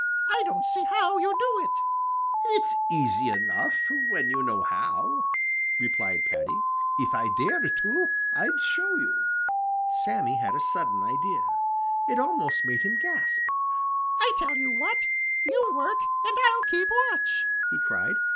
I don't see how you do it." "It's easy enough when you know how," replied Paddy. "If I dared to, I'd show you." Sammy had a sudden idea. It almost made him gasp. "I tell you what, you work and I'll keep watch!" he cried.